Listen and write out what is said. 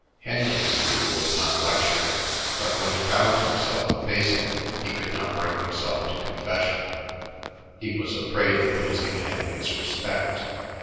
Henley, he knew, would not lecture him, but when he found himself facing him, he could not bring himself to confession; he was afraid of losing Henley's respect.